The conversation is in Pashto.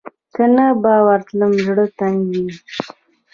که نه به ورتلم زړه تنګۍ و.